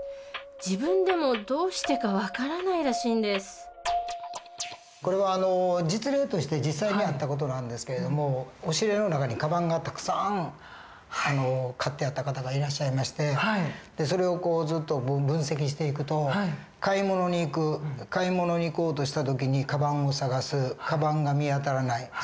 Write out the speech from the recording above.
自分でもどうしてか分からないらしいんですこれは実例として実際にあった事なんですけれども押し入れの中にカバンがたくさん買ってあった方がいらっしゃいましてそれをずっと分析していくと買い物に行く買い物に行こうとした時にカバンを捜すカバンが見当たらない。